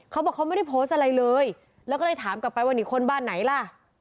เขาบอกเขาไม่ได้โพสต์อะไรเลยแล้วก็เลยถามกลับไปว่านี่คนบ้านไหนล่ะ